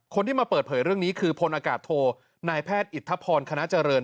คนที่มาเปิดเผยเรื่องนี้คือพลอากาศโทนายแพทย์อิทธพรคณะเจริญ